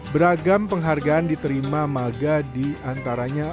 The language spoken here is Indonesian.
beragam penghargaan diterima maga di antaranya